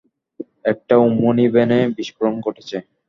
একটা ওমনি ভ্যানে বিস্ফোরণ ঘটেছে।